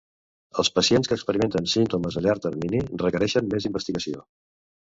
Els pacients que experimenten símptomes a llarg termini requereixen més investigació.